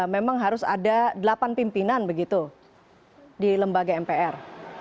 memang harus ada delapan pimpinan begitu di lembaga mpr